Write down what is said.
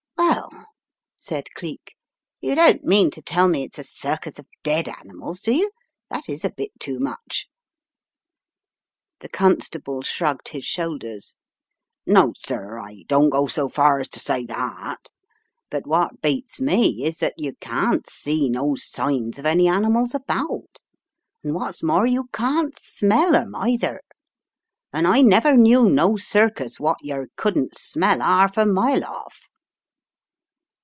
"Well," said Cleek. "You don't mean to tell mc it's a circus of dead animals, do you? That is a bit too much." The Constable shrugged his shoulders. "No, sir, I don't go so far as to say that, but what beats me is that you can't see no signs of any animals about and what's more you can't smell 'em, either. And I never knew no circus wot yer couldn't smell 'arf a mile off."